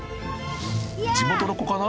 ［地元の子かな？